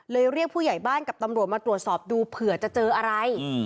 เรียกผู้ใหญ่บ้านกับตำรวจมาตรวจสอบดูเผื่อจะเจออะไร